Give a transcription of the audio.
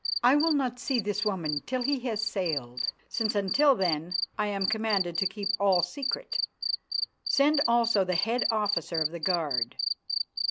I will not see this woman till he has sailed, since until then I am commanded to keep all secret. Send also the head officer of the guard."